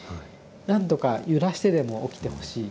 何とか揺らしてでも起きてほしい。